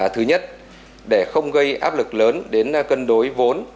thứ nhất để không gây áp lực lớn đến cân đối vốn